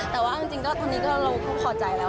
แต่ว่าจริงตอนนี้เราก็ขอบใจแล้ว